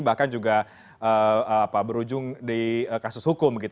bahkan juga berujung di kasus hukum